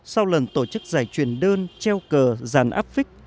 sau lần tổ chức giải truyền đơn treo cờ giàn áp phích